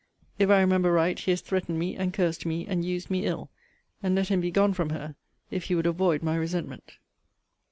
If I remember right, he has threatened me, and cursed me, and used me ill and let him be gone from her, if he would avoid my resentment.